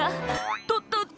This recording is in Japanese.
「とっとっと！」